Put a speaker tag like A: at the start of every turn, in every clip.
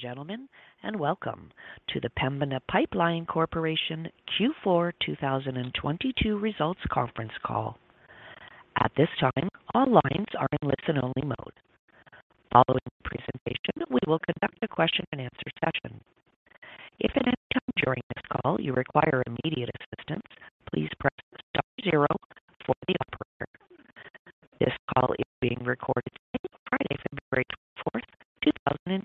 A: Gentlemen, and welcome to the Pembina Pipeline Corporation Q4 2022 results conference call. At this time, all lines are in listen-only mode. Following the presentation, we will conduct a question and answer session. If at any time during this call you require immediate assistance, please press star zero for the operator. This call is being recorded today, Friday, February 24th, 2022.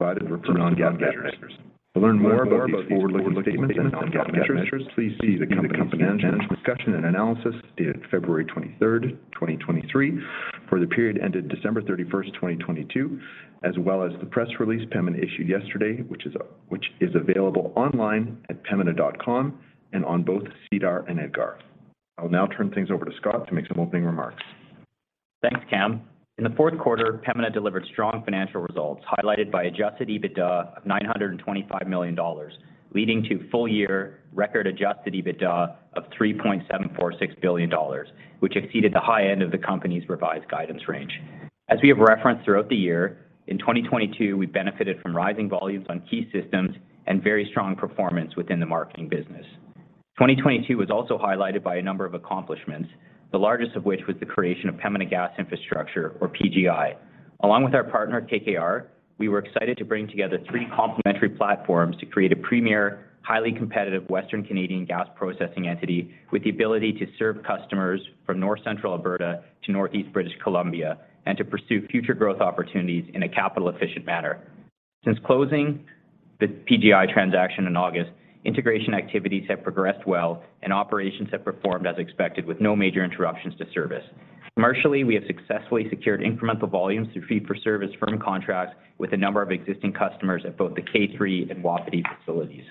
B: To learn more about these forward-looking statements and non-GAAP measures, please see the company's management discussion and analysis dated February 23, 2023 for the period ended December 31, 2022, as well as the press release Pembina issued yesterday, which is available online at pembina.com and on both SEDAR and EDGAR. I will now turn things over to Scott to make some opening remarks.
C: Thanks, Cam. In the fourth quarter, Pembina delivered strong financial results, highlighted by adjusted EBITDA of 925 million dollars, leading to full-year record adjusted EBITDA of 3.746 billion dollars, which exceeded the high end of the company's revised guidance range. As we have referenced throughout the year, in 2022, we benefited from rising volumes on key systems and very strong performance within the marketing business. 2022 was also highlighted by a number of accomplishments, the largest of which was the creation of Pembina Gas Infrastructure, or PGI. Along with our partner KKR, we were excited to bring together three complementary platforms to create a premier, highly competitive Western Canadian gas processing entity with the ability to serve customers from north-central Alberta to northeast British Columbia and to pursue future growth opportunities in a capital-efficient manner. Since closing the PGI transaction in August, integration activities have progressed well and operations have performed as expected with no major interruptions to service. Commercially, we have successfully secured incremental volumes through fee-for-service firm contracts with a number of existing customers at both the K3 and Wapiti facilities.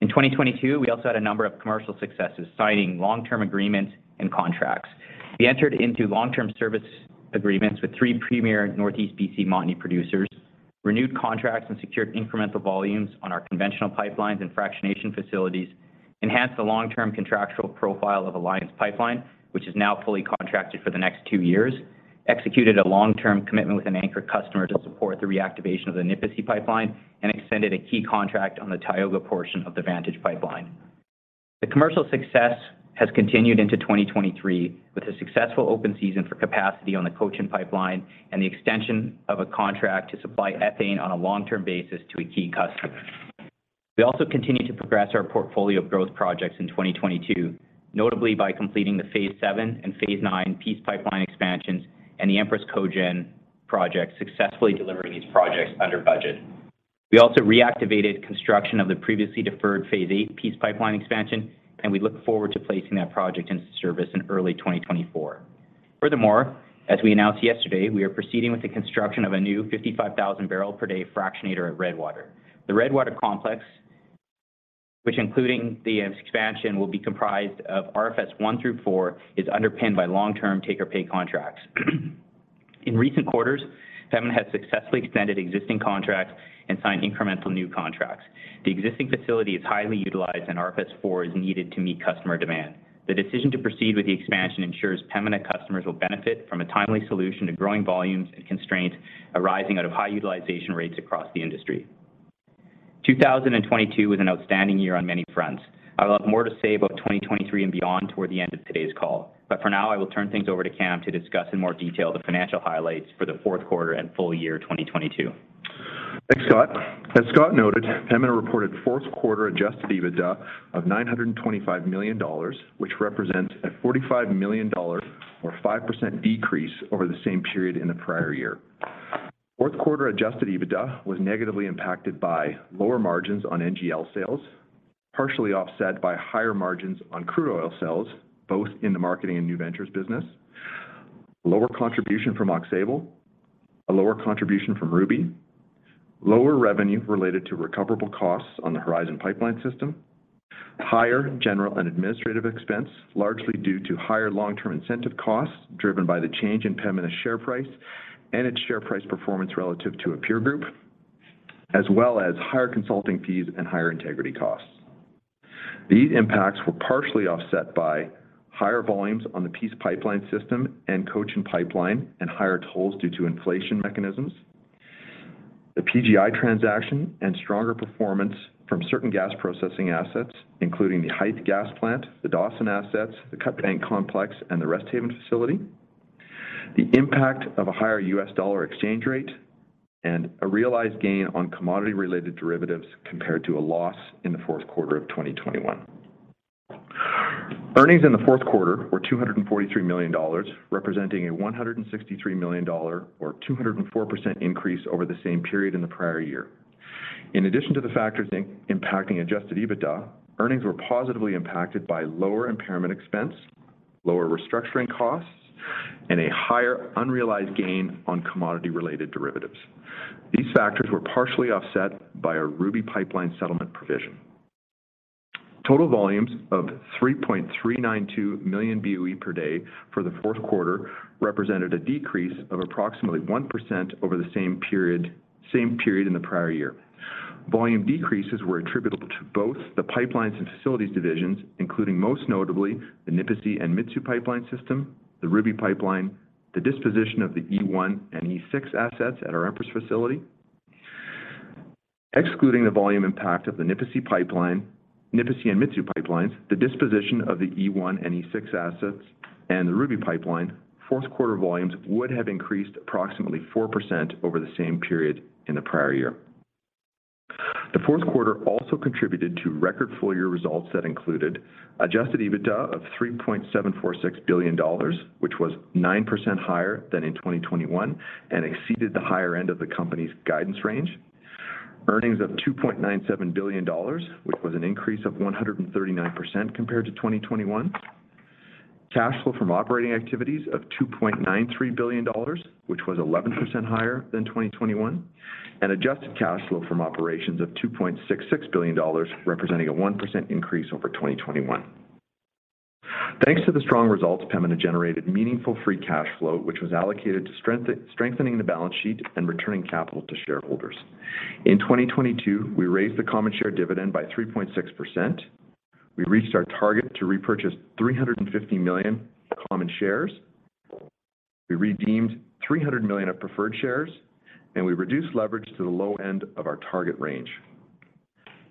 C: In 2022, we also had a number of commercial successes, signing long-term agreements and contracts. We entered into long-term service agreements with 3 premier northeast BC Montney producers, renewed contracts and secured incremental volumes on our conventional pipelines and fractionation facilities, enhanced the long-term contractual profile of Alliance Pipeline, which is now fully contracted for the next 2 years, executed a long-term commitment with an anchor customer to support the reactivation of the Nipisi Pipeline, and extended a key contract on the Tioga portion of the Vantage Pipeline. The commercial success has continued into 2023 with a successful open season for capacity on the Cochin Pipeline and the extension of a contract to supply ethane on a long-term basis to a key customer. We also continued to progress our portfolio of growth projects in 2022, notably by completing the Phase VII and Phase IX Peace Pipeline expansions and the Empress Co-generation Facility, successfully delivering these projects under budget. We also reactivated construction of the previously deferred Phase VIII Peace Pipeline expansion, and we look forward to placing that project into service in early 2024. As we announced yesterday, we are proceeding with the construction of a new 55,000 barrel per day fractionator at Redwater. The Redwater complex, which including the expansion, will be comprised of RFS I through RFS IV, is underpinned by long-term take-or-pay contracts. In recent quarters, Pembina has successfully extended existing contracts and signed incremental new contracts. The existing facility is highly utilized. RFS IV is needed to meet customer demand. The decision to proceed with the expansion ensures Pembina customers will benefit from a timely solution to growing volumes and constraints arising out of high utilization rates across the industry. 2022 was an outstanding year on many fronts. I will have more to say about 2023 and beyond toward the end of today's call. For now, I will turn things over to Cam to discuss in more detail the financial highlights for the fourth quarter and full year 2022.
B: Thanks, Scott. As Scott noted, Pembina reported fourth quarter adjusted EBITDA of 925 million dollars, which represents a 45 million dollars or 5% decrease over the same period in the prior year. Fourth quarter adjusted EBITDA was negatively impacted by lower margins on NGL sales, partially offset by higher margins on crude oil sales, both in the marketing and new ventures business, lower contribution from Oxbow, a lower contribution from Ruby, lower revenue related to recoverable costs on the Horizon Pipeline system, higher general and administrative expense, largely due to higher long-term incentive costs driven by the change in Pembina's share price and its share price performance relative to a peer group, as well as higher consulting fees and higher integrity costs. These impacts were partially offset by higher volumes on the Peace Pipeline system and Cochin Pipeline and higher tolls due to inflation mechanisms. The PGI transaction and stronger performance from certain gas processing assets, including the Hythe Gas Plant, the Dawson assets, the Cut Bank complex, and the Resthaven Facility. The impact of a higher US dollar exchange rate and a realized gain on commodity-related derivatives compared to a loss in the fourth quarter of 2021. Earnings in the fourth quarter were 243 million dollars, representing a 163 million dollar or 204% increase over the same period in the prior year. In addition to the factors impacting adjusted EBITDA, earnings were positively impacted by lower impairment expense, lower restructuring costs, and a higher unrealized gain on commodity-related derivatives. These factors were partially offset by a Ruby Pipeline settlement provision. Total volumes of 3.392 million BOE per day for the fourth quarter represented a decrease of approximately 1% over the same period in the prior year. Volume decreases were attributable to both the pipelines and facilities divisions, including most notably the Nipisi and Mitsue pipeline system, the Ruby Pipeline, the disposition of the E1 and E6 assets at our Empress facility. Excluding the volume impact of the Nipisi and Mitsue pipelines, the disposition of the E1 and E6 assets and the Ruby Pipeline, fourth quarter volumes would have increased approximately 4% over the same period in the prior year. The fourth quarter also contributed to record full-year results that included adjusted EBITDA of 3.746 billion dollars, which was 9% higher than in 2021 and exceeded the higher end of the company's guidance range. Earnings of 2.97 billion dollars, which was an increase of 139% compared to 2021. Cash flow from operating activities of 2.93 billion dollars, which was 11% higher than 2021. Adjusted cash flow from operations of 2.66 billion dollars, representing a 1% increase over 2021. Thanks to the strong results, Pembina generated meaningful free cash flow, which was allocated to strengthening the balance sheet and returning capital to shareholders. In 2022, we raised the common share dividend by 3.6%. We reached our target to repurchase 350 million common shares. We redeemed 300 million of preferred shares. We reduced leverage to the low end of our target range.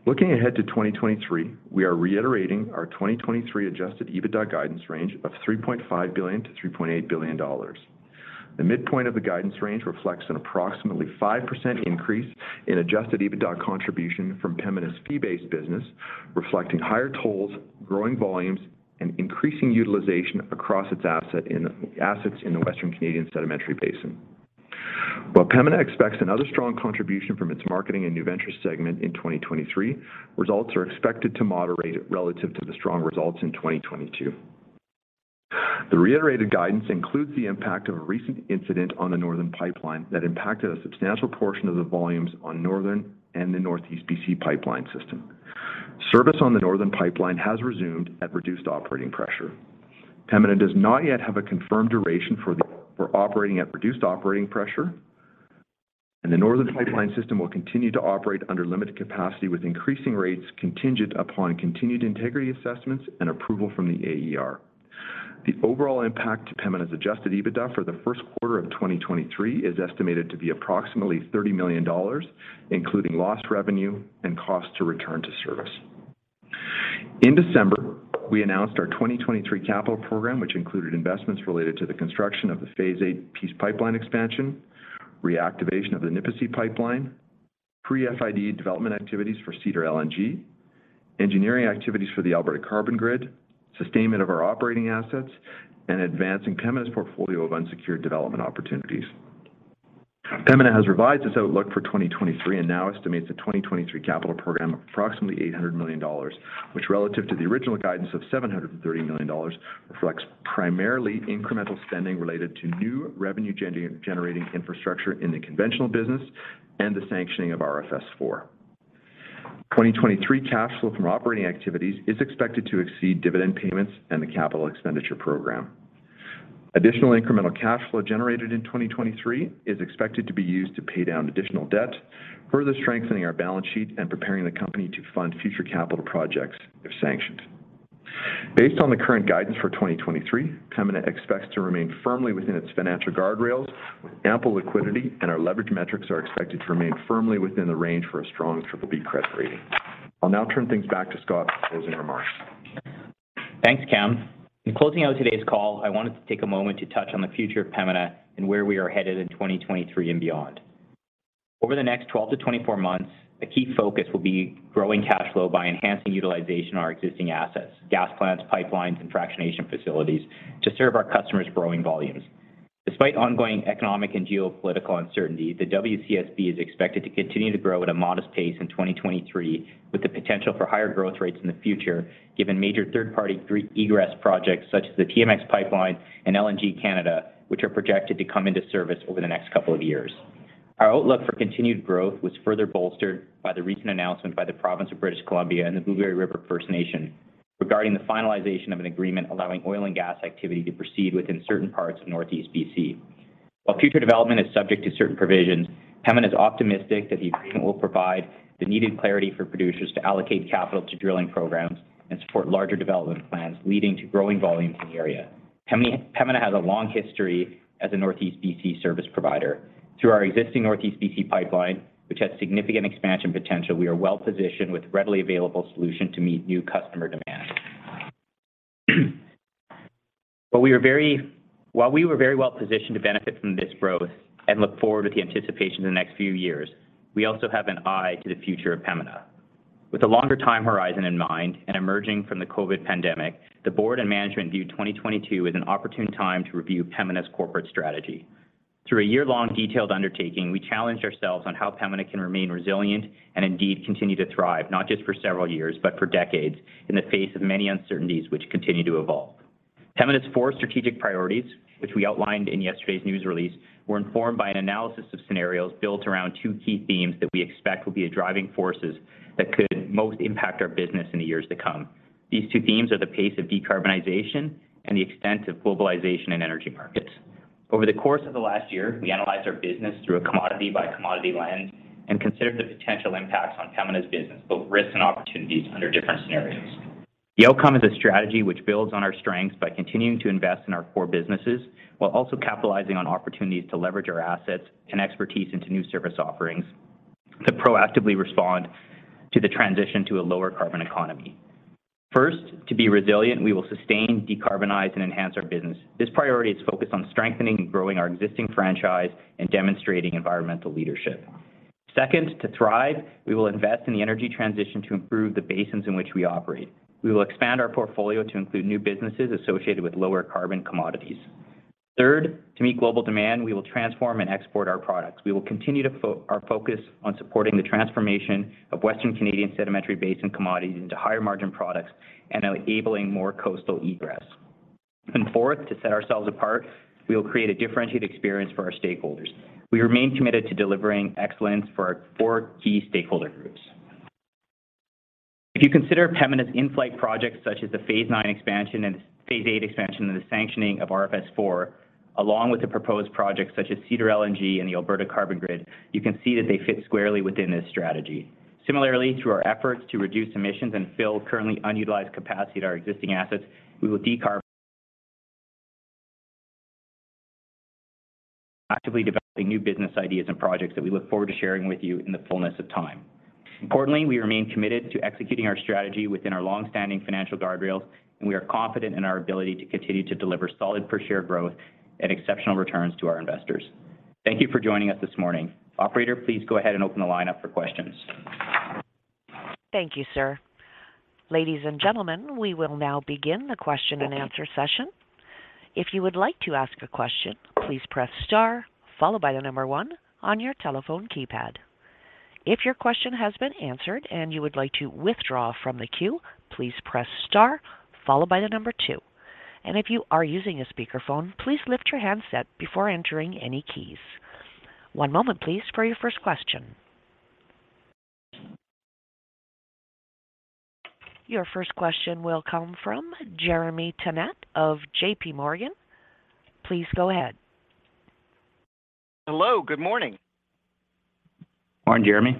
B: Looking ahead to 2023, we are reiterating our 2023 adjusted EBITDA guidance range of 3.5 billion-3.8 billion dollars. The midpoint of the guidance range reflects an approximately 5% increase in adjusted EBITDA contribution from Pembina's fee-based business, reflecting higher tolls, growing volumes, and increasing utilization across its assets in the Western Canadian Sedimentary Basin. While Pembina expects another strong contribution from its marketing and new venture segment in 2023, results are expected to moderate relative to the strong results in 2022. The reiterated guidance includes the impact of a recent incident on the Northern Pipeline that impacted a substantial portion of the volumes on Northern and the Northeast BC pipeline system. Service on the Northern Pipeline has resumed at reduced operating pressure. Pembina does not yet have a confirmed duration for the, for operating at reduced operating pressure. The Northern Pipeline system will continue to operate under limited capacity with increasing rates contingent upon continued integrity assessments and approval from the AER. The overall impact to Pembina's adjusted EBITDA for the first quarter of 2023 is estimated to be approximately $30 million, including lost revenue and cost to return to service. In December, we announced our 2023 capital program, which included investments related to the construction of the Phase VIII Peace Pipeline expansion, reactivation of the Nipisi Pipeline, pre-FID development activities for Cedar LNG, engineering activities for the Alberta Carbon Grid, sustainment of our operating assets, and advancing Pembina's portfolio of unsecured development opportunities. Pembina has revised its outlook for 2023 and now estimates a 2023 capital program of approximately 800 million dollars, which relative to the original guidance of 730 million dollars, reflects primarily incremental spending related to new revenue-generating infrastructure in the conventional business and the sanctioning of RFS IV. 2023 cash flow from operating activities is expected to exceed dividend payments and the capital expenditure program. Additional incremental cash flow generated in 2023 is expected to be used to pay down additional debt, further strengthening our balance sheet and preparing the company to fund future capital projects if sanctioned. Based on the current guidance for 2023, Pembina expects to remain firmly within its financial guardrails with ample liquidity. Our leverage metrics are expected to remain firmly within the range for a strong BBB credit rating. I'll now turn things back to Scott for closing remarks.
C: Thanks, Cam. In closing out today's call, I wanted to take a moment to touch on the future of Pembina and where we are headed in 2023 and beyond. Over the next 12 to 24 months, the key focus will be growing cash flow by enhancing utilization of our existing assets, gas plants, pipelines, and fractionation facilities to serve our customers' growing volumes. Despite ongoing economic and geopolitical uncertainty, the WCSB is expected to continue to grow at a modest pace in 2023, with the potential for higher growth rates in the future, given major third-party egress projects such as the TMX Pipeline and LNG Canada, which are projected to come into service over the next couple of years. Our outlook for continued growth was further bolstered by the recent announcement by the province of British Columbia and the Blueberry River First Nation regarding the finalization of an agreement allowing oil and gas activity to proceed within certain parts of Northeast BC. While future development is subject to certain provisions, Pembina is optimistic that the agreement will provide the needed clarity for producers to allocate capital to drilling programs and support larger development plans, leading to growing volumes in the area. Pembina has a long history as a Northeast BC service provider. Through our existing Northeast BC pipeline, which has significant expansion potential, we are well positioned with readily available solution to meet new customer demands. We are very well positioned to benefit from this growth and look forward with the anticipation in the next few years, we also have an eye to the future of Pembina. With a longer time horizon in mind and emerging from the COVID pandemic, the board and management viewed 2022 as an opportune time to review Pembina's corporate strategy. Through a year-long detailed undertaking, we challenged ourselves on how Pembina can remain resilient and indeed continue to thrive, not just for several years, but for decades in the face of many uncertainties which continue to evolve. Pembina's four strategic priorities, which we outlined in yesterday's news release, were informed by an analysis of scenarios built around two key themes that we expect will be a driving forces that could most impact our business in the years to come. These two themes are the pace of decarbonization and the extent of globalization in energy markets. Over the course of the last year, we analyzed our business through a commodity by commodity lens and considered the potential impacts on Pembina's business, both risks and opportunities under different scenarios. The outcome is a strategy which builds on our strengths by continuing to invest in our core businesses while also capitalizing on opportunities to leverage our assets and expertise into new service offerings to proactively respond to the transition to a lower carbon economy. First, to be resilient, we will sustain, decarbonize, and enhance our business. This priority is focused on strengthening and growing our existing franchise and demonstrating environmental leadership. Second, to thrive, we will invest in the energy transition to improve the basins in which we operate. We will expand our portfolio to include new businesses associated with lower carbon commodities. Third, to meet global demand, we will transform and export our products. We will continue our focus on supporting the transformation of Western Canadian sedimentary basin commodities into higher margin products and enabling more coastal egress. Fourth, to set ourselves apart, we will create a differentiated experience for our stakeholders. We remain committed to delivering excellence for our four key stakeholder groups. If you consider Pembina's in-flight projects such as the Phase IX expansion and Phase VIII expansion and the sanctioning of RFS IV, along with the proposed projects such as Cedar LNG and the Alberta Carbon Grid, you can see that they fit squarely within this strategy. Similarly, through our efforts to reduce emissions and fill currently unutilized capacity at our existing assets, we will decarb... actively developing new business ideas and projects that we look forward to sharing with you in the fullness of time. Importantly, we remain committed to executing our strategy within our long-standing financial guardrails, and we are confident in our ability to continue to deliver solid per share growth and exceptional returns to our investors. Thank you for joining us this morning. Operator, please go ahead and open the line up for questions.
A: Thank you, sir. Ladies and gentlemen, we will now begin the question and answer session. If you would like to ask a question, please press star followed by the number one on your telephone keypad. If your question has been answered and you would like to withdraw from the queue, please press star followed by the number two. If you are using a speakerphone, please lift your handset before entering any keys. One moment, please, for your first question. Your first question will come from Jeremy Tonet of JPMorgan. Please go ahead.
D: Hello. Good morning.
C: Morning, Jeremy.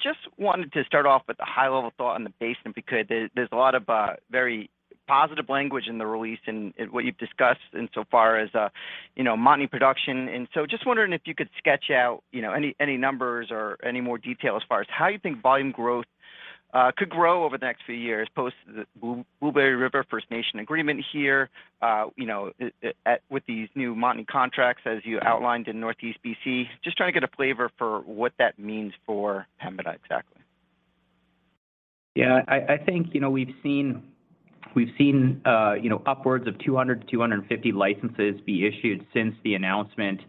D: Just wanted to start off with a high-level thought on the basin, because there's a lot of very positive language in the release and what you've discussed in so far as, you know, Montney production. Just wondering if you could sketch out, you know, any numbers or any more detail as far as how you think volume growth could grow over the next few years post the Blueberry River First Nations agreement here, you know, with these new Montney contracts as you outlined in Northeast BC. Just trying to get a flavor for what that means for Pembina exactly.
C: Yeah, I think, you know, we've seen, you know, upwards of 200-250 licenses be issued since the announcement.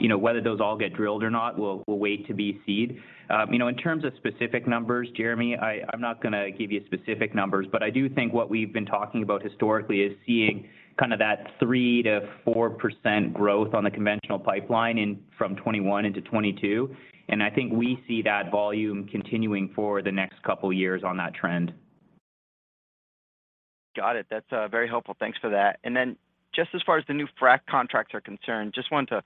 C: You know, whether those all get drilled or not will wait to be seen. You know, in terms of specific numbers, Jeremy, I'm not gonna give you specific numbers, but I do think what we've been talking about historically is seeing kind of that 3%-4% growth on the conventional pipeline in from 2021 into 2022. I think we see that volume continuing for the next couple years on that trend.
D: Got it. That's very helpful. Thanks for that. Just as far as the new frack contracts are concerned, just wanted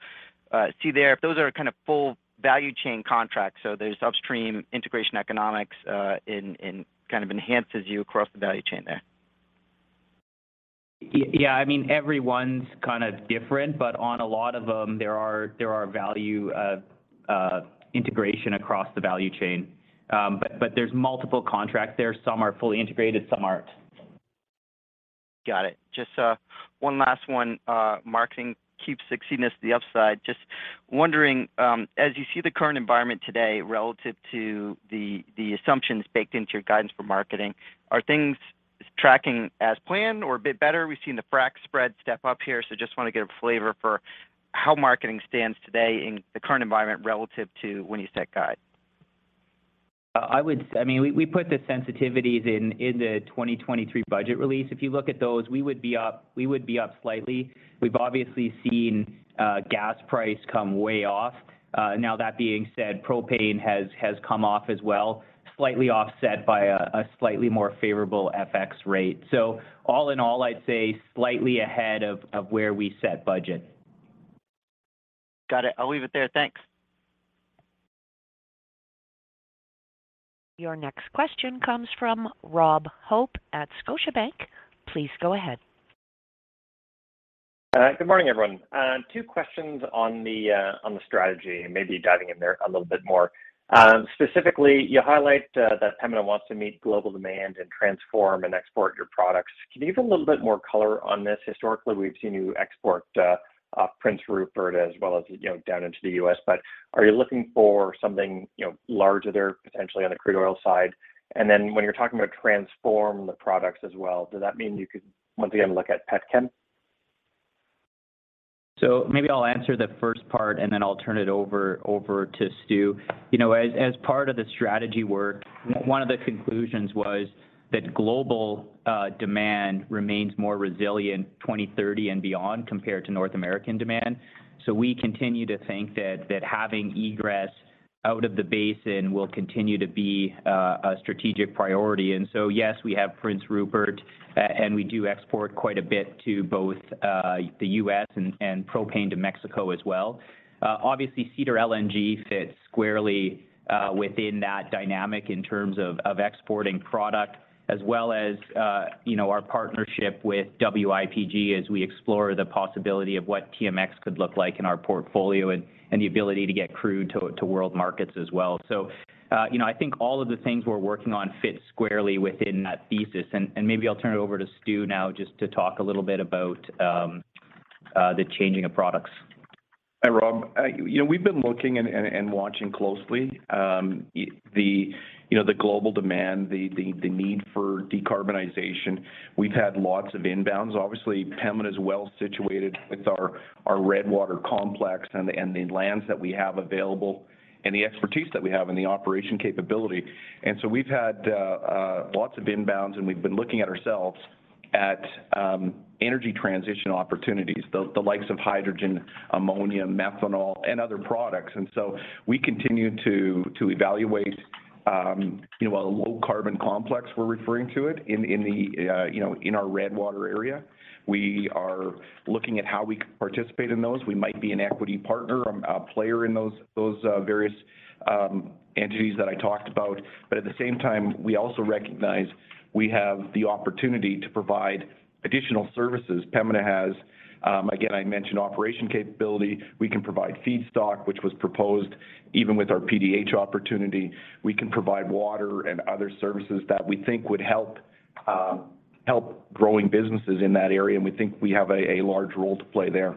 D: to see there if those are kind of full value chain contracts, so there's upstream integration economics kind of enhances you across the value chain there.
C: Yeah. I mean, everyone's kind of different. On a lot of them, there are value integration across the value chain. There's multiple contracts there. Some are fully integrated, some aren't.
D: Got it. Just one last one. Marketing keeps succeeding as to the upside. Just wondering, as you see the current environment today relative to the assumptions baked into your guidance for marketing, are things tracking as planned or a bit better? We've seen the frack spread step up here, just want to get a flavor for how marketing stands today in the current environment relative to when you set guide.
C: I mean, we put the sensitivities in the 2023 budget release. If you look at those, we would be up slightly. We've obviously seen gas price come way off. Now that being said, propane has come off as well, slightly offset by a slightly more favorable FX rate. All in all, I'd say slightly ahead of where we set budget.
D: Got it. I'll leave it there. Thanks.
A: Your next question comes from Robert Hope at Scotiabank. Please go ahead.
E: Good morning, everyone. Two questions on the strategy and maybe diving in there a little bit more. Specifically, you highlight that Pembina wants to meet global demand and transform and export your products. Can you give a little bit more color on this? Historically, we've seen you export Prince Rupert as well as, you know, down into the US, but are you looking for something, you know, larger there potentially on the crude oil side? When you're talking about transform the products as well, does that mean you could once again look at pet chem?
C: Maybe I'll answer the first part, and then I'll turn it over to Stu. You know, as part of the strategy work, one of the conclusions was that global demand remains more resilient 2030 and beyond compared to North American demand. We continue to think that having egress out of the basin will continue to be a strategic priority. Yes, we have Prince Rupert, and we do export quite a bit to both the U.S. and propane to Mexico as well. Obviously, Cedar LNG fits squarely within that dynamic in terms of exporting product as well as, you know, our partnership with WIPG as we explore the possibility of what TMX could look like in our portfolio and the ability to get crude to world markets as well.
E: You know, I think all of the things we're working on fit squarely within that thesis. Maybe I'll turn it over to Stu now just to talk a little bit about the changing of products.
F: Hi, Rob. You know, we've been looking and watching closely, you know, the global demand, the need for decarbonization. We've had lots of inbounds. Obviously, Pembina is well-situated with our Redwater complex and the lands that we have available, and the expertise that we have and the operation capability. We've had lots of inbounds, and we've been looking at ourselves at energy transition opportunities, the likes of hydrogen, ammonia, methanol, and other products. We continue to evaluate, you know, a low carbon complex, we're referring to it in the, you know, in our Redwater area. We are looking at how we can participate in those. We might be an equity partner or a player in those various entities that I talked about. At the same time, we also recognize we have the opportunity to provide additional services. Pembina has, again, I mentioned operation capability. We can provide feedstock, which was proposed even with our PDH opportunity. We can provide water and other services that we think would help growing businesses in that area. We think we have a large role to play there.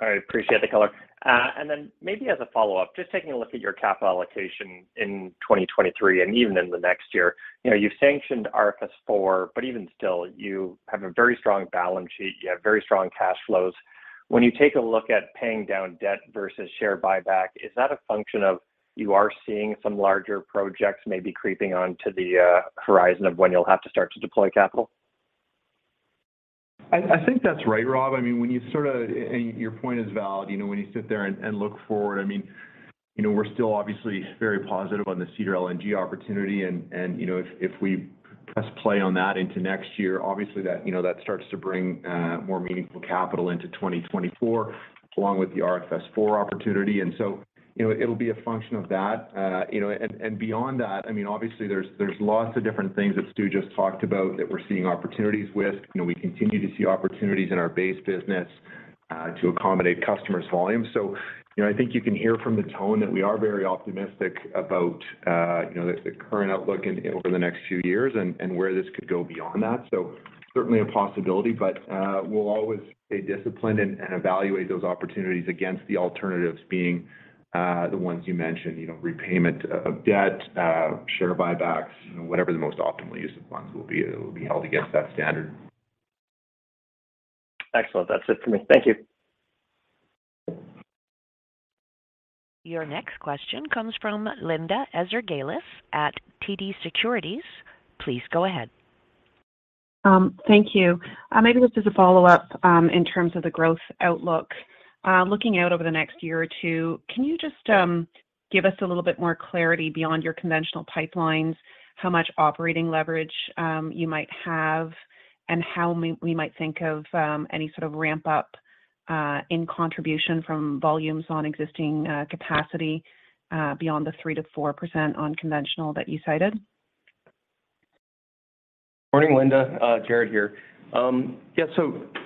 E: All right. Appreciate the color. Then maybe as a follow-up, just taking a look at your capital allocation in 2023 and even in the next year. You know, you've sanctioned RFS IV, but even still, you have a very strong balance sheet. You have very strong cash flows. When you take a look at paying down debt versus share buyback, is that a function of you are seeing some larger projects maybe creeping onto the horizon of when you'll have to start to deploy capital?
F: I think that's right, Rob. I mean, when you sorta. Your point is valid. You know, when you sit there and look forward, I mean, you know, we're still obviously very positive on the Cedar LNG opportunity and, you know, if we press play on that into next year, obviously that, you know, that starts to bring more meaningful capital into 2024 along with the RFS IV opportunity. You know, it'll be a function of that. You know, and beyond that, I mean, obviously there's lots of different things that Stu just talked about that we're seeing opportunities with. You know, we continue to see opportunities in our base business to accommodate customers' volumes. You know, I think you can hear from the tone that we are very optimistic about, you know, the current outlook over the next few years and where this could go beyond that. Certainly a possibility, but we'll always stay disciplined and evaluate those opportunities against the alternatives being, the ones you mentioned, you know, repayment of debt, share buybacks, you know, whatever the most optimal use of funds will be, it will be held against that standard.
E: Excellent. That's it for me. Thank you.
A: Your next question comes from Linda Ezergailis at TD Securities. Please go ahead.
G: Thank you. Maybe just as a follow-up, in terms of the growth outlook. Looking out over the next year or two, can you just give us a little bit more clarity beyond your conventional pipelines, how much operating leverage you might have and how we might think of any sort of ramp up in contribution from volumes on existing capacity beyond the 3% to 4% unconventional that you cited?
F: Morning, Linda. Jared here. Yeah.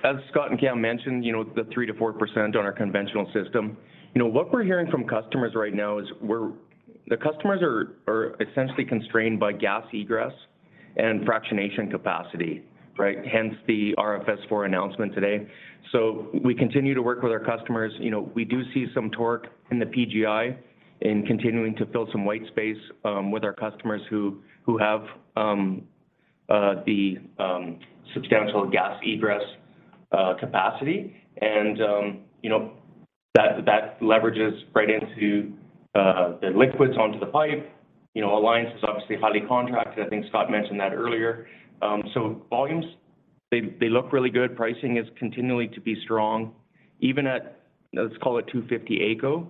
F: As Scott and Cam mentioned, you know, the 3%-4% on our conventional system. You know, what we're hearing from customers right now is the customers are essentially constrained by gas egress and fractionation capacity, right? Hence, the RFS IV announcement today. We continue to work with our customers. You know, we do see some torque in the PGI in continuing to fill some white space with our customers who have the substantial gas egress capacity. You know, that leverages right into the liquids onto the pipe. You know, Alliance is obviously highly contracted. I think Scott mentioned that earlier. Volumes look really good. Pricing is continuing to be strong even at, let's call it 250 AECO.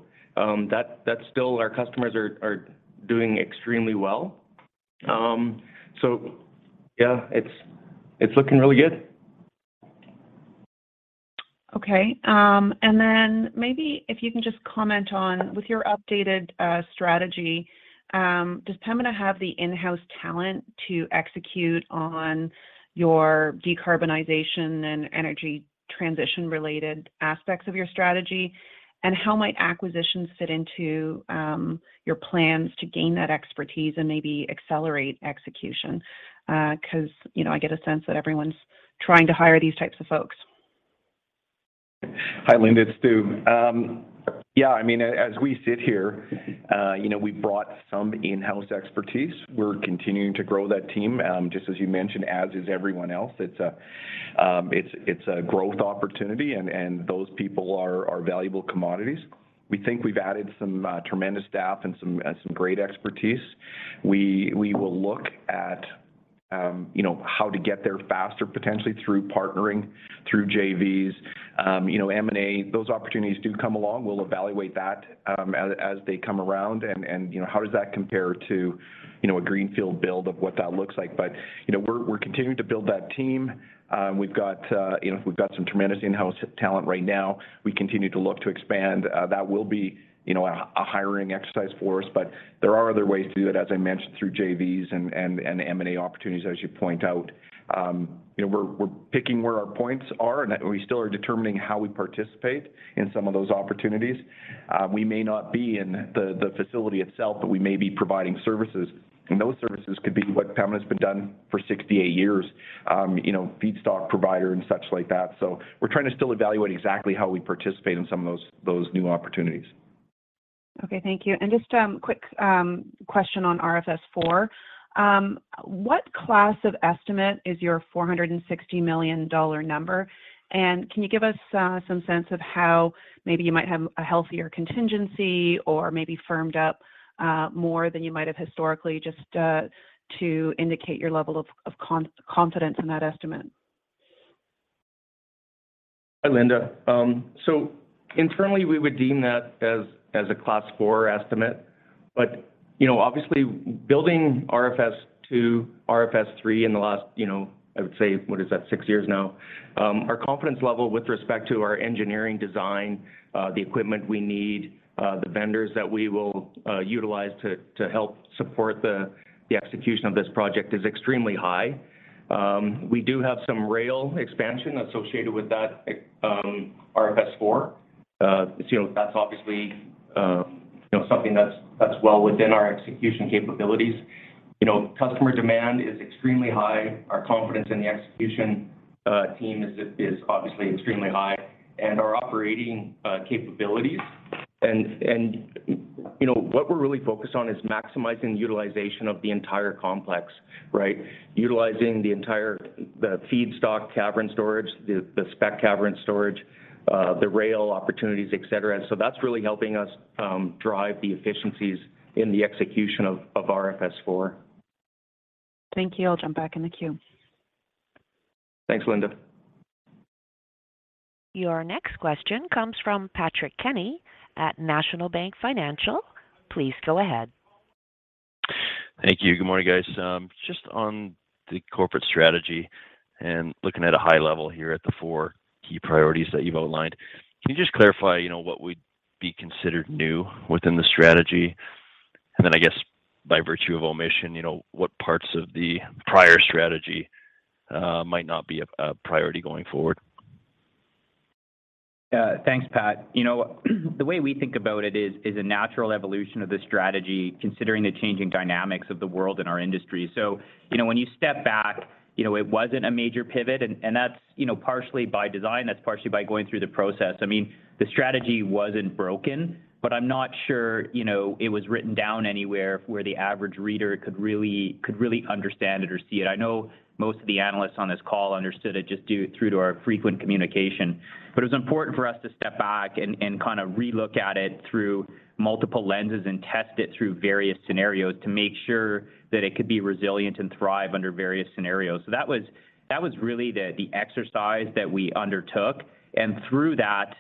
F: That's still our customers are doing extremely well. Yeah, it's looking really good.
G: Okay. Maybe if you can just comment on with your updated strategy, does Pembina have the in-house talent to execute on your decarbonization and energy transition-related aspects of your strategy? How might acquisitions fit into your plans to gain that expertise and maybe accelerate execution? 'Cause, you know, I get a sense that everyone's trying to hire these types of folks.
H: Hi, Linda, it's Stu. I mean, as we sit here, you know, we brought some in-house expertise. We're continuing to grow that team, just as you mentioned, as is everyone else. It's a, it's a growth opportunity and those people are valuable commodities. We think we've added some tremendous staff and some great expertise. We will look at, you know, how to get there faster, potentially through partnering, through JVs. You know, M&A, those opportunities do come along. We'll evaluate that as they come around and, you know, how does that compare to, you know, a greenfield build of what that looks like. You know, we're continuing to build that team. We've got, you know, we've got some tremendous in-house talent right now. We continue to look to expand. That will be, you know, a hiring exercise for us, but there are other ways to do it, as I mentioned, through JVs and M&A opportunities, as you point out. You know, we're picking where our points are, and we still are determining how we participate in some of those opportunities. We may not be in the facility itself, but we may be providing services. And those services could be what Pembina's been doing for 68 years, you know, feedstock provider and such like that. We're trying to still evaluate exactly how we participate in some of those new opportunities.
G: Okay. Thank you. Just a quick question on RFS IV. What class of estimate is your 460 million dollar number? Can you give us some sense of how maybe you might have a healthier contingency or maybe firmed up more than you might have historically just to indicate your level of confidence in that estimate?
F: Hi, Linda. Internally, we would deem that as a Class 4 estimate. You know, obviously building RFS II, RFS III in the last, you know, I would say, what is that? 6 years now. Our confidence level with respect to our engineering design, the equipment we need, the vendors that we will utilize to help support the execution of this project is extremely high. We do have some rail expansion associated with that, RFS IV. You know, that's obviously, you know, something that's well within our execution capabilities. You know, customer demand is extremely high. Our confidence in the execution team is obviously extremely high and our operating capabilities. You know, what we're really focused on is maximizing the utilization of the entire complex, right? Utilizing the entire, the feedstock cavern storage, the spec cavern storage, the rail opportunities, et cetera. That's really helping us drive the efficiencies in the execution of RFS IV.
G: Thank you. I'll jump back in the queue.
F: Thanks, Linda.
A: Your next question comes from Patrick Kenny at National Bank Financial. Please go ahead.
I: Thank you. Good morning, guys. Just on the corporate strategy and looking at a high level here at the 4 key priorities that you've outlined. Can you just clarify, you know, what would be considered new within the strategy? I guess by virtue of omission, you know, what parts of the prior strategy might not be a priority going forward?
C: Thanks, Pat. You know, the way we think about it is a natural evolution of the strategy, considering the changing dynamics of the world and our industry. You know, when you step back, you know, it wasn't a major pivot, and that's, you know, partially by design, that's partially by going through the process. I mean, the strategy wasn't broken, but I'm not sure, you know, it was written down anywhere where the average reader could really understand it or see it. I know most of the analysts on this call understood it through to our frequent communication. It was important for us to step back and kind of relook at it through multiple lenses and test it through various scenarios to make sure that it could be resilient and thrive under various scenarios. That was, that was really the exercise that we undertook. Through that,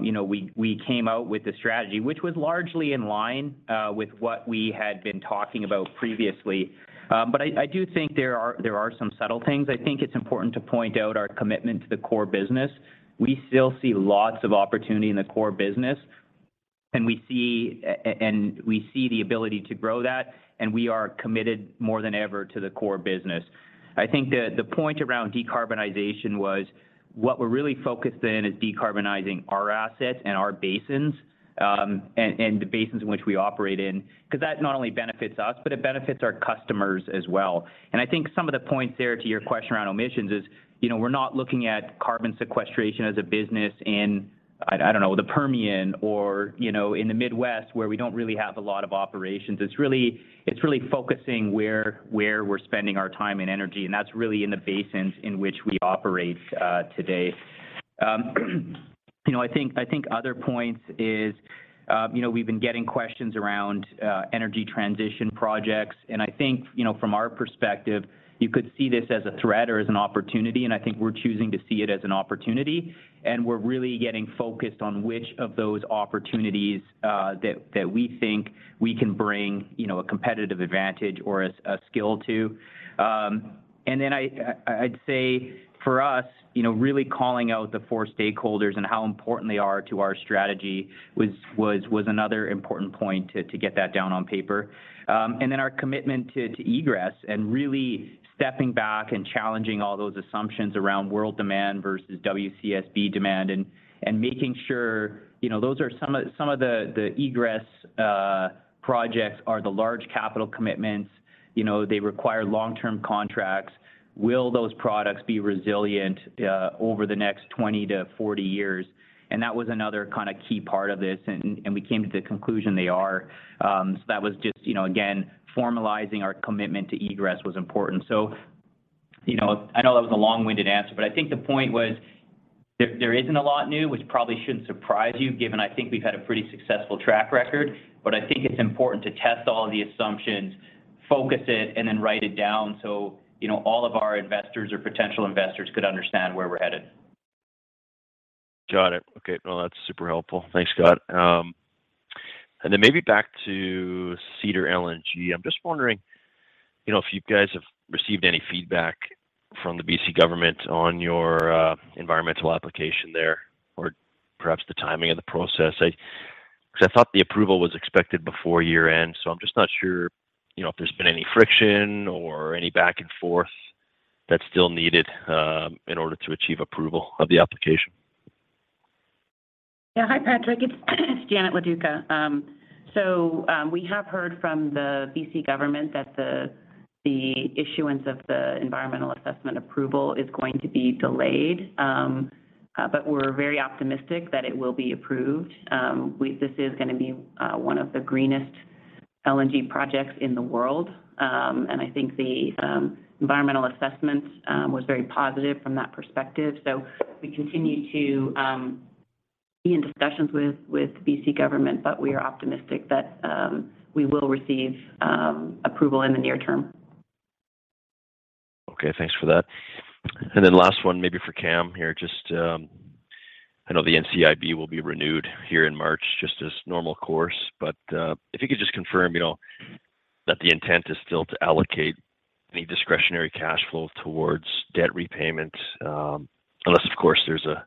C: you know, we came out with a strategy which was largely in line with what we had been talking about previously. I do think there are some subtle things. I think it's important to point out our commitment to the core business. We still see lots of opportunity in the core business, and we see the ability to grow that, and we are committed more than ever to the core business. I think the point around decarbonization was what we're really focused in is decarbonizing our assets and our basins, and the basins in which we operate in, 'cause that not only benefits us, but it benefits our customers as well. I think some of the points there to your question around omissions is, you know, we're not looking at carbon sequestration as a business in, I don't know, the Permian or, you know, in the Midwest where we don't really have a lot of operations. It's really focusing where we're spending our time and energy, and that's really in the basins in which we operate today. You know, I think other points is, you know, we've been getting questions around energy transition projects. I think, you know, from our perspective, you could see this as a threat or as an opportunity, and I think we're choosing to see it as an opportunity. We're really getting focused on which of those opportunities that we think we can bring, you know, a competitive advantage or a skill to. I'd say for us, you know, really calling out the 4 stakeholders and how important they are to our strategy was another important point to get that down on paper. Our commitment to egress and really stepping back and challenging all those assumptions around world demand versus WCSB demand and making sure, you know, those are some of the egress projects are the large capital commitments. You know, they require long-term contracts. Will those products be resilient over the next 20-40 years? That was another kind of key part of this, and we came to the conclusion they are. That was just, you know, again, formalizing our commitment to egress was important. You know, I know that was a long-winded answer, but I think the point was there isn't a lot new, which probably shouldn't surprise you, given I think we've had a pretty successful track record. I think it's important to test all the assumptions, focus it, and then write it down so, you know, all of our investors or potential investors could understand where we're headed.
I: Got it. Okay. No, that's super helpful. Thanks, Scott. Maybe back to Cedar LNG. I'm just wondering, you know, if you guys have received any feedback from the BC government on your environmental application there, or perhaps the timing of the process. Because I thought the approval was expected before year-end, so I'm just not sure, you know, if there's been any friction or any back and forth that's still needed in order to achieve approval of the application.
J: Hi, Patrick. It's Janet Loduca. We have heard from the BC government that the issuance of the environmental assessment approval is going to be delayed, we're very optimistic that it will be approved. This is gonna be one of the greenest LNG projects in the world. I think the environmental assessment was very positive from that perspective. We continue to be in discussions with BC government, we are optimistic that we will receive approval in the near term.
I: Okay. Thanks for that. Last one, maybe for Cam here, just I know the NCIB will be renewed here in March, just as normal course. If you could just confirm, you know, that the intent is still to allocate any discretionary cash flow towards debt repayment, unless, of course, there's a,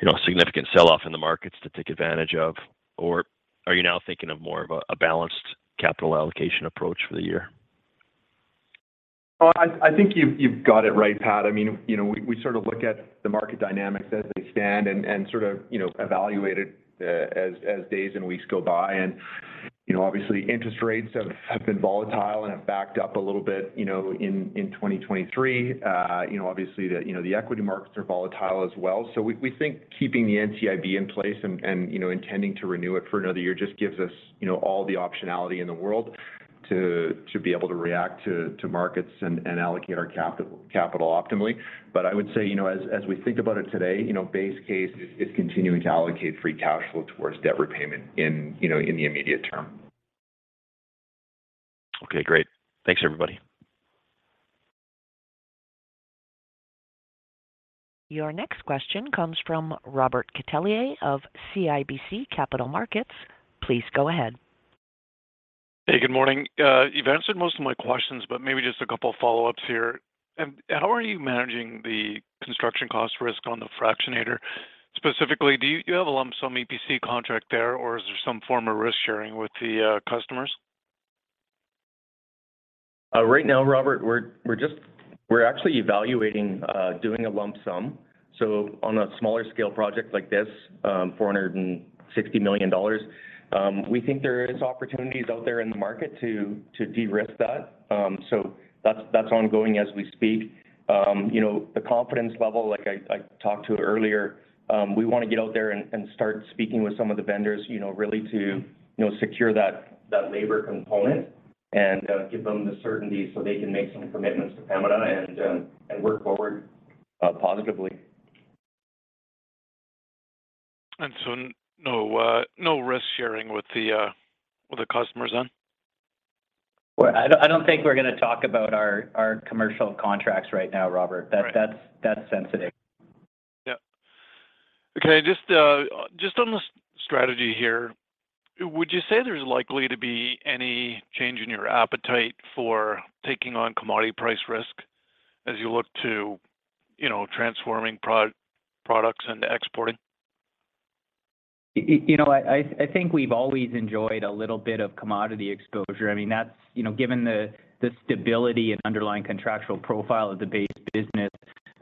I: you know, significant sell-off in the markets to take advantage of. Are you now thinking of more of a balanced capital allocation approach for the year?
H: Well, I think you've got it right, Pat. I mean, you know, we sort of look at the market dynamics as they stand and sort of, you know, evaluate it as days and weeks go by. You know, obviously, interest rates have been volatile and have backed up a little bit, you know, in 2023. You know, obviously, the, you know, the equity markets are volatile as well. We think keeping the NCIB in place and, you know, intending to renew it for another year just gives us, you know, all the optionality in the world to be able to react to markets and allocate our capital optimally. I would say, you know, as we think about it today, you know, base case is continuing to allocate free cash flow towards debt repayment in, you know, in the immediate term.
I: Okay, great. Thanks, everybody.
C: Your next question comes from Robert Catellier of CIBC Capital Markets. Please go ahead.
K: Hey, good morning. You've answered most of my questions, but maybe just a couple follow-ups here. How are you managing the construction cost risk on the fractionator? Specifically, do you have a lump sum EPC contract there, or is there some form of risk-sharing with the customers?
H: Right now, Robert, we're actually evaluating doing a lump sum. On a smaller scale project like this, 460 million dollars, we think there is opportunities out there in the market to de-risk that. That's ongoing as we speak. You know, the confidence level, like I talked to earlier, we wanna get out there and start speaking with some of the vendors, you know, really to, you know, secure that labor component and give them the certainty so they can make some commitments to Pamona and work forward positively.
K: No, no risk-sharing with the, with the customers then?
C: Well, I don't think we're gonna talk about our commercial contracts right now, Robert.
K: Right.
C: That, that's sensitive.
K: Yeah. Okay. Just on the strategy here, would you say there's likely to be any change in your appetite for taking on commodity price risk as you look to, you know, transforming products into exporting?
C: You know, I think we've always enjoyed a little bit of commodity exposure. I mean, that's, you know, given the stability and underlying contractual profile of the base business,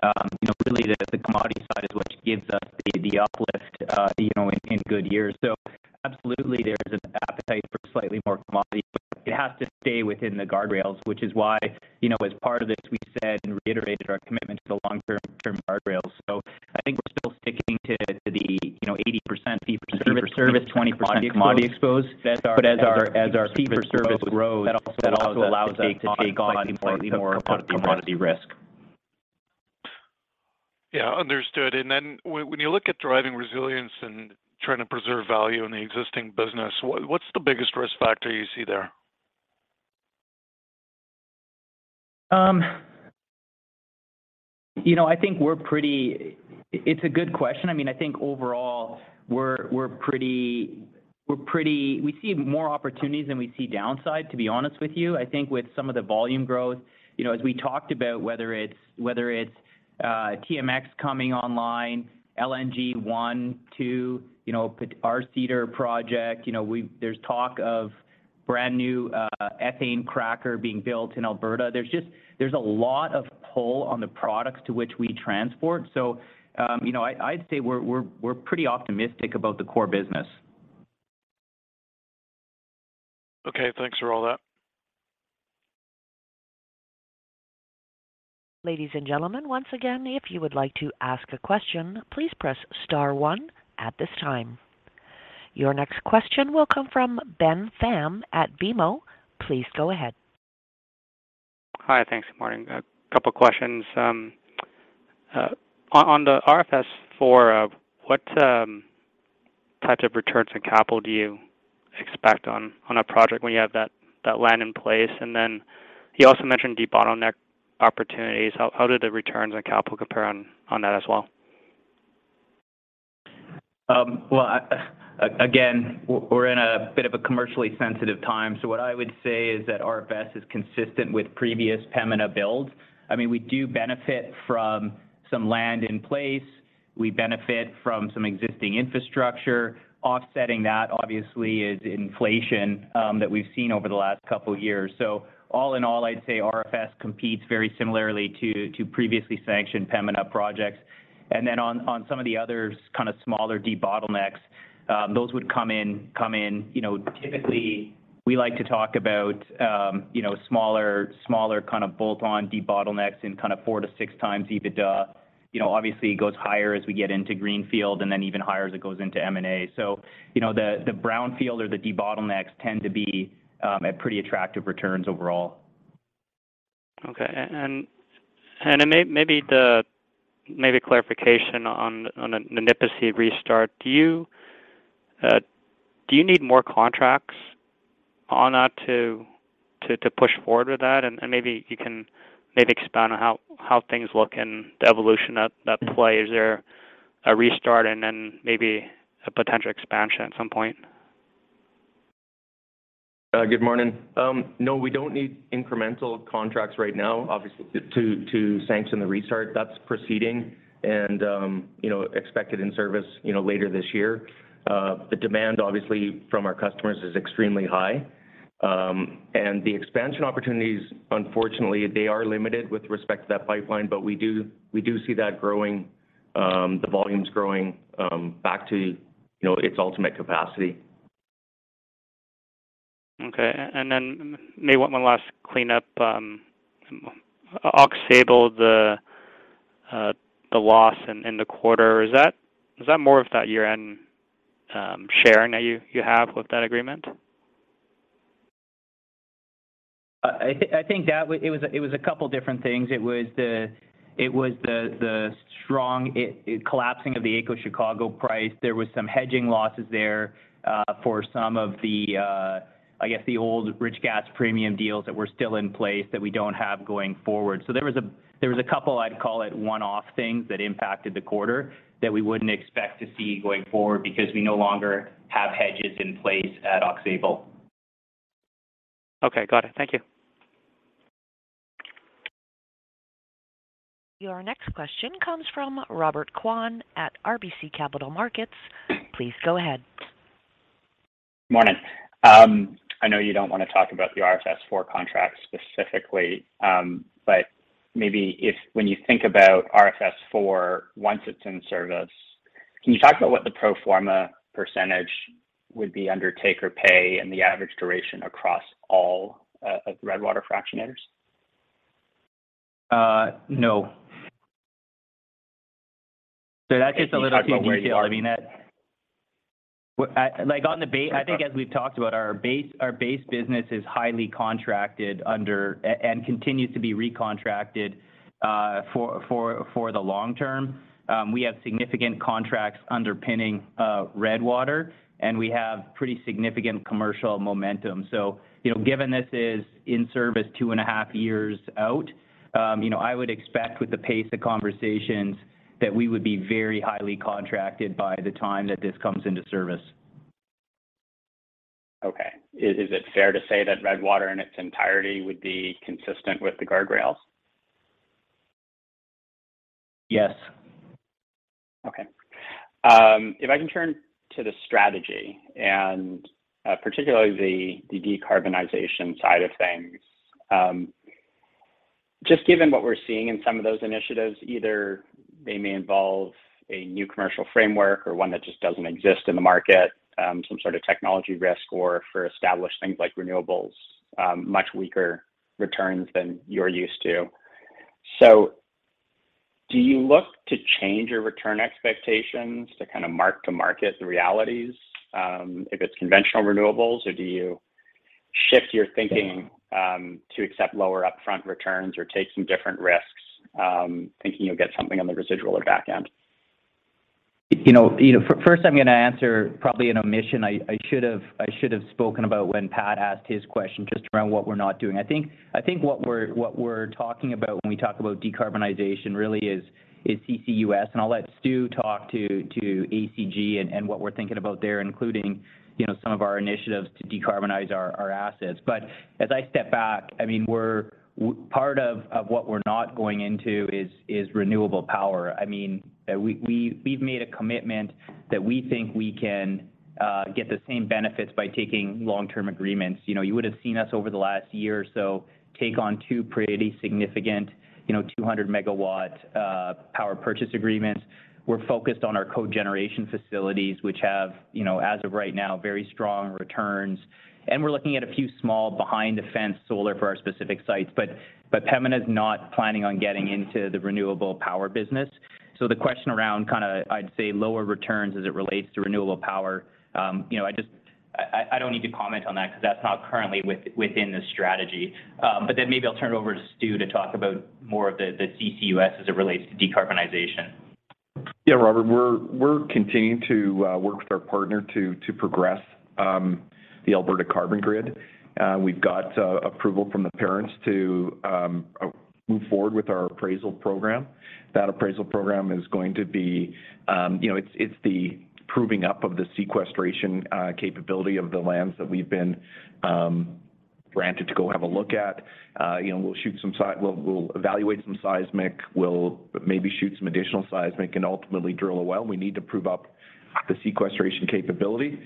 C: you know, really the commodity side is what gives us the uplift, you know, in good years. Absolutely, there is an appetite for slightly more commodity. It has to stay within the guardrails, which is why, you know, as part of this, we said and reiterated our commitment to the long-term guardrails. I think we're still sticking to the, you know, 80% fee-for-service, 20% commodity exposed. As our fee-for-service grows, that also allows us to take on slightly more commodity risk.
K: Yeah, understood. Then when you look at driving resilience and trying to preserve value in the existing business, what's the biggest risk factor you see there?
C: You know, I think it's a good question. I mean, I think overall we're pretty, we see more opportunities than we see downside, to be honest with you. I think with some of the volume growth, you know, as we talked about whether it's, whether it's TMX coming online, LNG One, Two, you know, our Cedar project, you know. There's talk of brand-new ethane cracker being built in Alberta. There's just, there's a lot of pull on the products to which we transport. You know, I'd say we're pretty optimistic about the core business.
K: Okay. Thanks for all that.
A: Ladies and gentlemen, once again, if you would like to ask a question, please press star one at this time. Your next question will come from Ben Pham at BMO. Please go ahead.
L: Hi. Thanks. Morning. A couple questions. On the RFS IV, what types of returns on capital do you expect on a project when you have that land in place? Then you also mentioned debottleneck opportunities. How do the returns on capital compare on that as well?
C: Well, again, we're in a bit of a commercially sensitive time. What I would say is that RFS is consistent with previous Pembina builds. I mean, we do benefit from some land in place. We benefit from some existing infrastructure. Offsetting that obviously is inflation that we've seen over the last couple years. All in all, I'd say RFS competes very similarly to previously sanctioned Pembina projects. Then on some of the other kind of smaller debottlenecks, those would come in. You know, typically we like to talk about, you know, smaller kind of bolt-on debottlenecks in kind of four to six times EBITDA. You know, obviously it goes higher as we get into greenfield and then even higher as it goes into M&A. You know, the brownfield or the debottlenecks tend to be at pretty attractive returns overall.
L: Okay. Maybe clarification on the Nipisi restart. Do you need more contracts on that to push forward with that? Maybe you can expand on how things look and the evolution at play. Is there a restart and then a potential expansion at some point?
C: Good morning. No, we don't need incremental contracts right now, obviously, to sanction the restart. That's proceeding and, you know, expected in service, you know, later this year. The demand obviously from our customers is extremely high. The expansion opportunities, unfortunately, they are limited with respect to that pipeline, but we do see that growing, the volumes growing, back to, you know, its ultimate capacity.
L: Okay. Then maybe one last cleanup. Aux Sable, the loss in the quarter, is that more of that year-end sharing that you have with that agreement?
C: I think that it was a couple different things. It was the strong collapsing of the AECO Chicago price. There was some hedging losses there for some of the, I guess the old rich gas premium deals that were still in place that we don't have going forward. There was a couple, I'd call it one-off things that impacted the quarter that we wouldn't expect to see going forward because we no longer have hedges in place at Aux Sable.
L: Okay. Got it. Thank you.
A: Your next question comes from Robert Kwan at RBC Capital Markets. Please go ahead.
M: Morning. I know you don't wanna talk about the RFS IV contract specifically, but maybe if when you think about RFS IV once it's in service, can you talk about what the pro forma % would be under take-or-pay and the average duration across all Redwater fractionators?
C: No. That gets a little too detailed. I mean.
M: If you can talk about where you are-
C: I think as we've talked about our base business is highly contracted under and continues to be recontracted for the long term. We have significant contracts underpinning Redwater, and we have pretty significant commercial momentum. You know, given this is in service 2.5 years out, you know, I would expect with the pace of conversations that we would be very highly contracted by the time that this comes into service.
M: Okay. Is it fair to say that Redwater in its entirety would be consistent with the guardrails?
C: Yes.
M: Okay. If I can turn to the strategy and particularly the decarbonization side of things, just given what we're seeing in some of those initiatives, either they may involve a new commercial framework or one that just doesn't exist in the market, some sort of technology risk or for established things like renewables, much weaker returns than you're used to. Do you look to change your return expectations to kind of mark to market the realities, if it's conventional renewables, or do you shift your thinking to accept lower upfront returns or taking different risks, thinking you'll get something on the residual or back end?
C: You know, first I'm gonna answer probably an omission I should have spoken about when Pat asked his question just around what we're not doing. I think what we're talking about when we talk about decarbonization really is CCUS. I'll let Stu talk to ACG and what we're thinking about there, including, you know, some of our initiatives to decarbonize our assets. As I step back, I mean, we're part of what we're not going into is renewable power. I mean, we've made a commitment that we think we can get the same benefits by taking long-term agreements. You know, you would've seen us over the last year or so take on 2 pretty significant, you know, 200 megawatt power purchase agreements. We're focused on our cogeneration facilities, which have, you know, as of right now, very strong returns. We're looking at a few small behind-the-fence solar for our specific sites. Pembina is not planning on getting into the renewable power business. The question around kind of, I'd say, lower returns as it relates to renewable power, you know, I don't need to comment on that 'cause that's not currently within the strategy. Maybe I'll turn it over to Stu to talk about more of the CCUS as it relates to decarbonization.
F: Yeah, Robert, we're continuing to work with our partner to progress the Alberta Carbon Grid. We've got approval from the parents to move forward with our appraisal program. That appraisal program is going to be, you know, it's the proving up of the sequestration capability of the lands that we've been granted to go have a look at. You know, we'll evaluate some seismic. We'll maybe shoot some additional seismic and ultimately drill a well. We need to prove up the sequestration capability.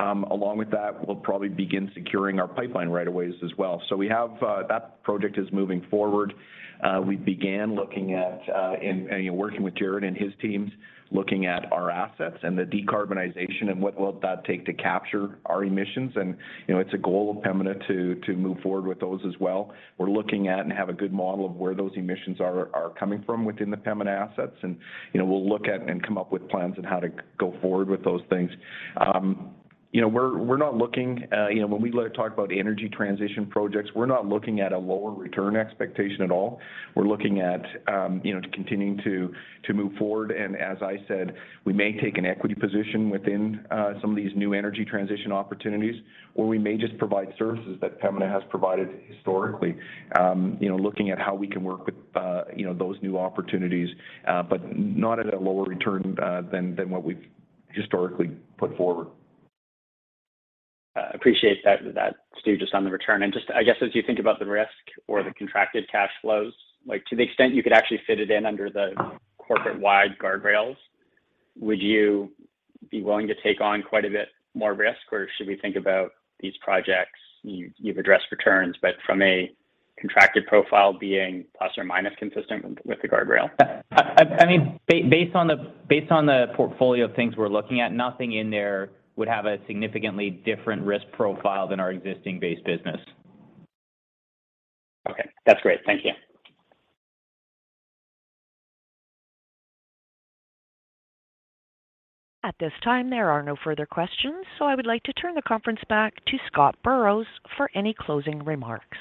F: Along with that, we'll probably begin securing our pipeline right of ways as well. We have that project is moving forward. We began looking at and working with Jaret and his teams, looking at our assets and the decarbonization and what will that take to capture our emissions. You know, it's a goal of Pembina to move forward with those as well. We're looking at and have a good model of where those emissions are coming from within the Pembina assets and, you know, we'll look at and come up with plans on how to go forward with those things. You know, we're not looking, you know, when we talk about energy transition projects, we're not looking at a lower return expectation at all. We're looking at, you know, continuing to move forward. As I said, we may take an equity position within some of these new energy transition opportunities, or we may just provide services that Pembina has provided historically. You know, looking at how we can work with, you know, those new opportunities, but not at a lower return than what we've historically put forward.
M: Appreciate that, Stu, just on the return. Just, I guess, as you think about the risk or the contracted cash flows, like to the extent you could actually fit it in under the corporate-wide guardrails, would you be willing to take on quite a bit more risk? Should we think about these projects, you've addressed returns, but from a contracted profile being plus or minus consistent with the guardrail?
C: I mean, based on the portfolio of things we're looking at, nothing in there would have a significantly different risk profile than our existing base business.
M: Okay. That's great. Thank you.
A: At this time, there are no further questions. I would like to turn the conference back to Scott Burrows for any closing remarks.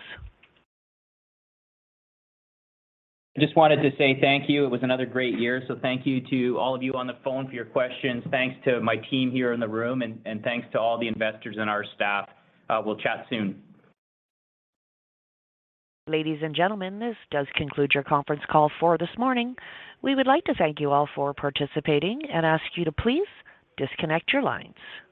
C: Just wanted to say thank you. It was another great year. Thank you to all of you on the phone for your questions. Thanks to my team here in the room and thanks to all the investors and our staff. We'll chat soon.
A: Ladies and gentlemen, this does conclude your conference call for this morning. We would like to thank you all for participating and ask you to please disconnect your lines.